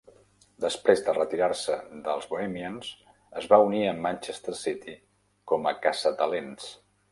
Després de retirar-se dels Bohemians, es va unir al Manchester City com a caçatalents.